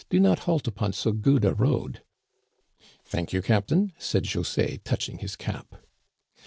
Do not halt upon so good a road." " Thank you, captain," said José, touching his cap.